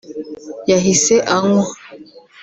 yahise anywa